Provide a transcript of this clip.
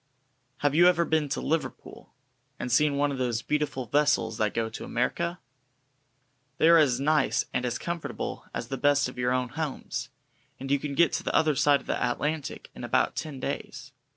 Have you ever been to Liverpool, and seen one of those beautiful vessels that go to America? They are as nice and as comfortable as the best of your own homes, and you can get to the other side of the Atlantic in about ten days.